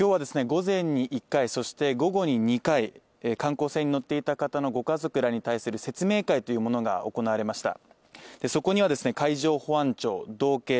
午前に１回そして午後に２回観光船に乗っていた方のご家族らに対する説明会というものが行われました